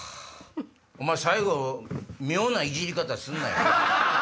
お前最後妙なイジり方すんなよ。